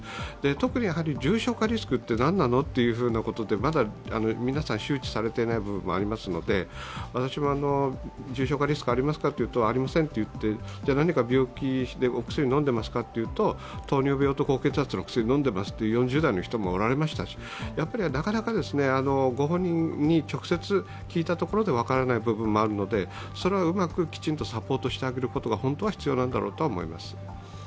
特に重症化リスクって何なのということで、まだ皆さん周知されていない部分もありますので、私も重症化リスクありますかというとありませんと言って、何か病気でお薬飲んでいますかというと糖尿病と高血圧の薬を飲んでいますという４０代の人もおられましたし、なかなかご本人に直接聞いたところで分からない部分もあるのでそれはうまくきちんとサポートしてあげることが本当は必要なんだろうと思います。